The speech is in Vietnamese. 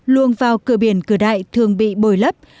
luông vào cửa biển cửa đại thường bị bồi lấp